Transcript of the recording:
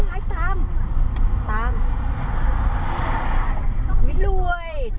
ออโหชูอาวุธ